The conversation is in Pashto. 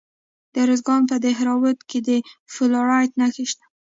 د ارزګان په دهراوود کې د فلورایټ نښې شته.